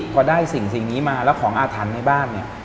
พอได้สิ่งนี้มาแล้วของอธรรณในบ้าน